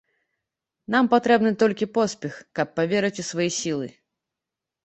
Нам патрэбны толькі поспех, каб паверыць у свае сілы.